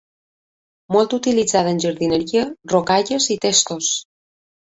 Molt utilitzada en jardineria, rocalles i testos.